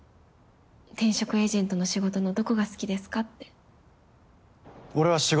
転職エージェントの仕事のどこが好きですかって。